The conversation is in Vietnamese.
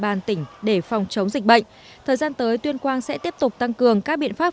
bàn tỉnh để phòng chống dịch bệnh thời gian tới tuyên quang sẽ tiếp tục tăng cường các biện pháp